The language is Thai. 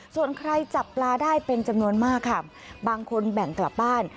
ส่วนใครจับปลาได้เป็นจำนวนมากค่ะบางคนแบ่งกลับบ้าน